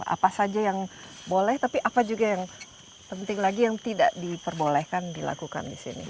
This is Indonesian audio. apa saja yang boleh tapi apa juga yang penting lagi yang tidak diperbolehkan dilakukan di sini